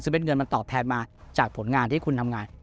ซึ่งเป็นเงินมันตอบแทนมาจากผลงานที่คุณทำงาน